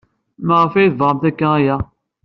Maɣef ay tebɣamt akk aya?